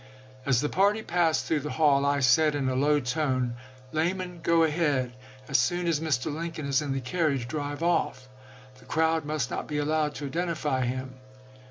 1 As the party passed through the hall I said, in a low tone, " Lamon, go ahead. As soon as Mr. Lincoln is in the carriage, drive off ; the crowd must not be allowed to identify him."